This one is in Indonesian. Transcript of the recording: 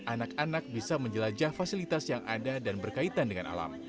anak anak bisa menjelajah fasilitas yang ada dan berkaitan dengan alam